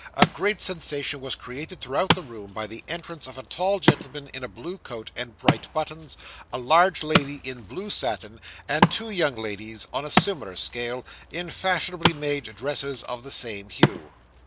A great sensation was created throughout the room by the entrance of a tall gentleman in a blue coat and bright buttons, a large lady in blue satin, and two young ladies, on a similar scale, in fashionably made dresses of the same hue.